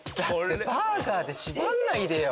バーガーで縛んないでよ！